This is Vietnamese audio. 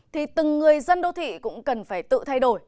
thì từng người dân đô thị cũng cần phải tự thay đổi